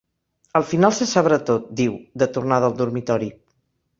Al final se sabrà tot —diu, de tornada al dormitori—.